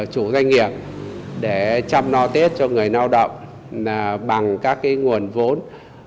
chủ doanh nghiệp để chăm lo tết cho người lao động bằng các nguồn vốn